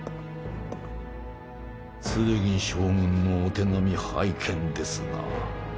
ツルギ将軍のお手並み拝見ですな。